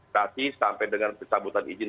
kasih sampai dengan pencabutan izin